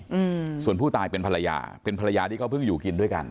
อืมส่วนผู้ตายเป็นภรรยาเป็นภรรยาที่เขาเพิ่งอยู่กินด้วยกัน